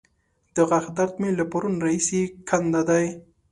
د غاښ درد مې له پرونه راهسې کنده دی.